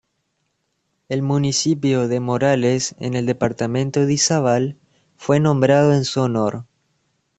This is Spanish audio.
El municipio de Morales en el departamento de Izabal fue nombrado en su honor.